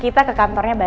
kita ke kantornya bareng